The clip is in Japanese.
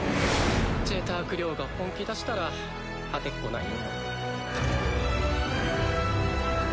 ジェターク寮が本気出したら勝てっこないよ。